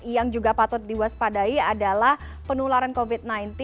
yang juga patut diwaspadai adalah penularan covid sembilan belas